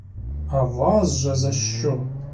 А вас же за що?